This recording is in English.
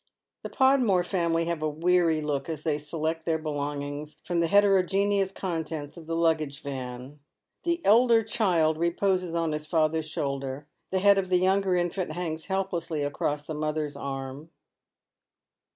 The Podmore family have a weary look as they select their belongings from the heterogeneous contents of the luggage van. The elder child reposes on his father's shoulder, the head of the younger infant hangs helplessly across the mother's arm.